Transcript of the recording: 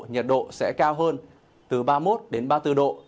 nhiệt độ sẽ cao hơn từ ba mươi một đến ba mươi bốn độ